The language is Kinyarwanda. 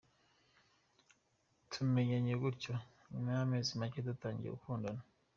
Twamenyanye gutyo, nyuma y’amezi make dutangira gukundana.